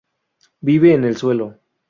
Vive en el suelo.